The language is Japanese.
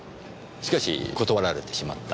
しかし断られてしまった。